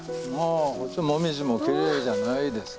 こっち紅葉もきれいじゃないですか。